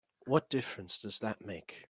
What difference does that make?